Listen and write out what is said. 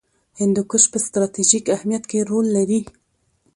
هندوکش په ستراتیژیک اهمیت کې رول لري.